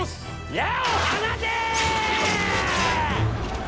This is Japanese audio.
矢を放て！